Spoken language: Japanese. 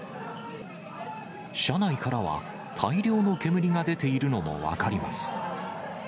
車内からは、大量の煙が出ているのも分かります。